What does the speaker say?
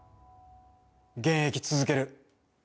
現役、続ける。